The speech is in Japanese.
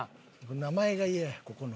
名前がイヤやここの。